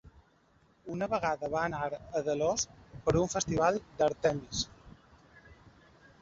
Una vegada va anar a Delos per un festival d'Àrtemis.